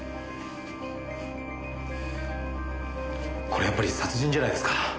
これやっぱり殺人じゃないですか？